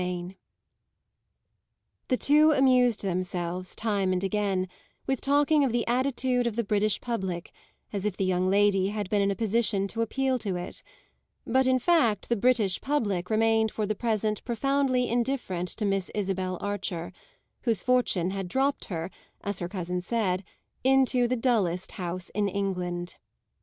CHAPTER VII The two amused themselves, time and again, with talking of the attitude of the British public as if the young lady had been in a position to appeal to it; but in fact the British public remained for the present profoundly indifferent to Miss Isabel Archer, whose fortune had dropped her, as her cousin said, into the dullest house in England.